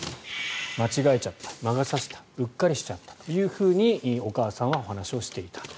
間違えちゃった、魔が差したうっかりしちゃったというふうにお母さんはお話をしていた。